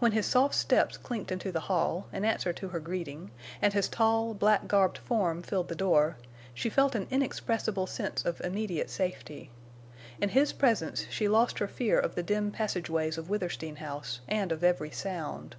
When his soft steps clinked into the hall, in answer to her greeting, and his tall, black garbed form filled the door, she felt an inexpressible sense of immediate safety. In his presence she lost her fear of the dim passageways of Withersteen House and of every sound.